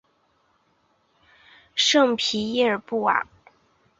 圣皮耶尔布瓦。